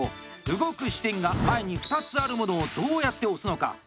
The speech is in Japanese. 動く支点が前に２つあるものをどうやって押すのか。